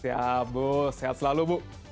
siap bu sehat selalu bu